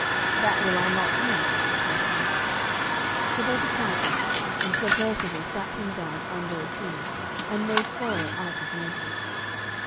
"That will I not do," said Sir Percivale. So they departed, and Sir Percivale sat him down under a tree, and made sorrow out of measure.